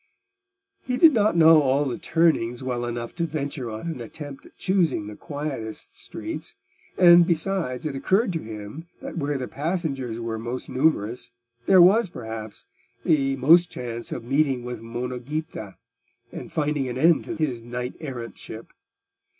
He did not know all the turnings well enough to venture on an attempt at choosing the quietest streets; and besides, it occurred to him that where the passengers were most numerous there was, perhaps, the most chance of meeting with Monna Ghita and finding an end to his knight errant ship.